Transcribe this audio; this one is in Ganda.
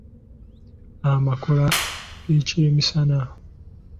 Amakola g’ekyemisana.